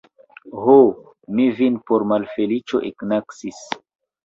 Ho, mi vin por malfeliĉo eknaskis.